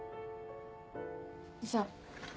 じゃあ。